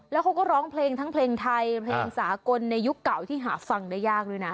แล้วเขาก็ร้องเพลงทั้งเพลงไทยเพลงสากลในยุคเก่าที่หาฟังได้ยากด้วยนะ